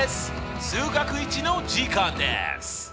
数学Ⅰの時間です！